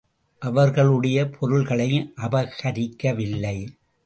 அவர்களுடைய பொருள்களையும் அபகரிக்கவில்லை.